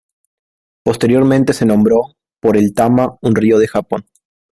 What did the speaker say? Posteriormente se nombró por el Tama, un río de Japón.